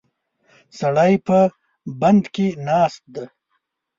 سړی په بند کې ناست دی.